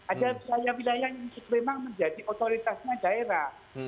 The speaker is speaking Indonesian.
ada wilayah wilayah yang memang menjadi otoritasnya daerah